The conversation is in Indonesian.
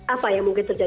apa yang mungkin terjadi